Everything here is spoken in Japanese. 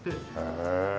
へえ！